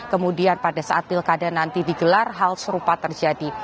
kemudian pada saat pilkada nanti digelar hal serupa terjadi